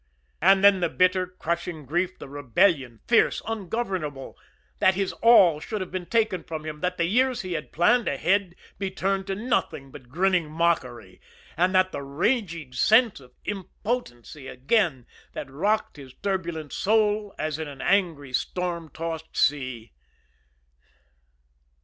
And then the bitter, crushing grief; the rebellion, fierce, ungovernable, that his all should have been taken from him, that the years he had planned should be turned to nothing but grinning mockery; and then that raging sense of impotency again, that rocked his turbulent soul as in an angry, storm tossed sea.